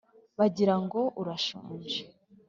Bagira ngo urashonje